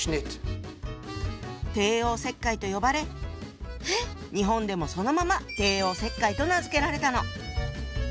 「帝王切開」と呼ばれ日本でもそのまま「帝王切開」と名付けられたの。